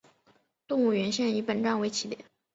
动物园线以本站为起点。